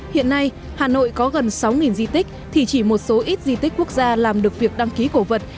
hiện nay hà nội có gần sáu di tích thì chỉ một số ít di tích quốc gia làm được việc đăng ký cổ vật